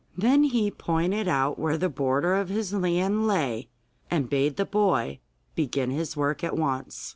Then he pointed out where the border of his land lay, and bade the boy begin his work at once.